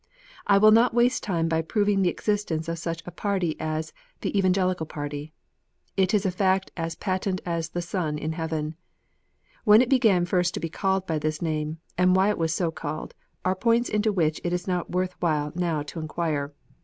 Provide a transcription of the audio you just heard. I will not waste time by proving the existence of such a party as "the Evangelical party." It is a fact as patent as the sun in heaven. When it began first to be called by this name, and why it was so called, are points into which it is not worth while now to inquire.